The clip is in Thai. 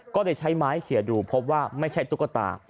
ก็เลยใช้ไม้เขียนดูพบว่าไม่ใช่ตุ๊กตา